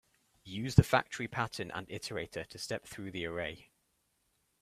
Use the factory pattern and an iterator to step through the array.